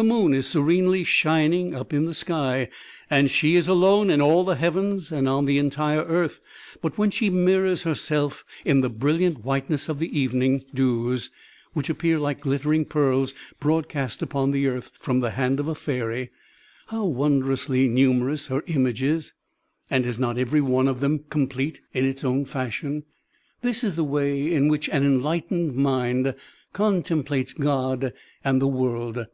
The moon is serenely shining up in the sky, and she is alone in all the heavens and on the entire earth; but when she mirrors herself in the bril liant whiteness of the evening dews which appear like glittering pearls broadcast upon the earth from the hand of a fairy, — ^how wondrously numerous her images! And is not every one of them complete in its own fashion? This is the way in which an enlightened mind contemplates God and the world.